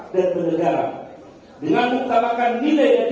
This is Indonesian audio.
tujuh mengajak kepada seluruh ilmuwan dari sabang sampai merauke